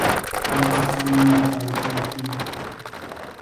Todas usan el alfabeto latino.